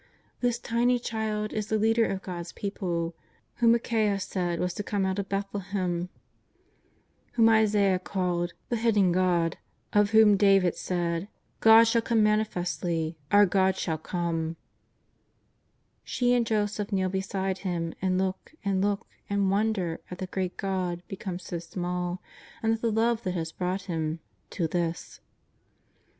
This tiny Child is the Leader of God's people whom Micheaa said * Isaias i. 66 JESUS OF NAZARETH. was to come out of Bethlehem ; whom Isaias called " the Hidden God," of whom David said :^^ God shall come manifestly, our God shall come/'* She and Joseph kneel beside Him, and look, and look, and wonder at the great God become so small, and at the love that has brought Him — to this.